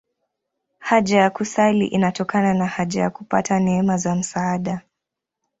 Haja ya kusali inatokana na haja ya kupata neema za msaada.